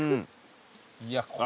いやこれ。